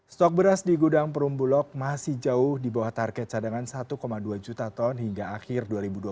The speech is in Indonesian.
stok beras di gudang perumbulok masih jauh di bawah target cadangan satu dua juta ton hingga akhir dua ribu dua puluh